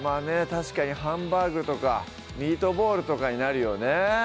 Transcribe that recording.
確かにハンバーグとかミートボールとかになるよね